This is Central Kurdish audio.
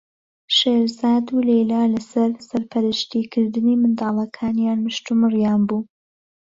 شێرزاد و لەیلا لەسەر سەرپەرشتیکردنی منداڵەکانیان مشتومڕیان بوو.